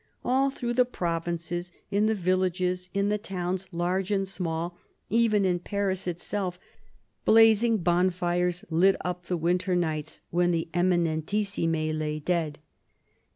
All through the provinces, in the villages, in the towns, large and small, even in Paris itself, blazing bonfires lit up the winter nights when the Eminentissime lay dead.